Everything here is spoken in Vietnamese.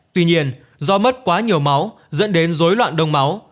tuy nhiên do mất quá nhiều máu dẫn đến dối loạn đông máu